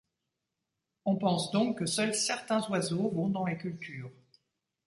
On pense donc que seuls certains oiseaux vont dans les cultures.